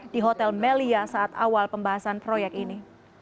di hotel melia saat awal pembahasan proyek ini